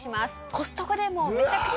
コストコでもうめちゃくちゃ。